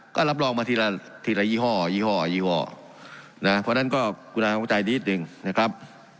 ก็รับรองมาทีละยี่ห้อยี่ห้อพอด้านก็กูน่าเข้าใจนิดนึงนะครับ